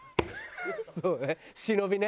そうね。